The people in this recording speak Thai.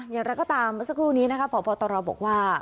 อย่างนั้นก็ตามสักครู่นี้นะคะพอตอนรอบอกว่า